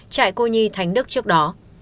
trại cô nhi thánh đức trước đó